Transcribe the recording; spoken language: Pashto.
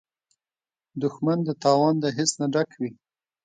دښمن د تاوان د حس نه ډک وي